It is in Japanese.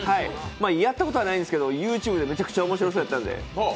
やったことはないんですけどＹｏｕＴｕｂｅでめちゃくちゃ面白そうだったので。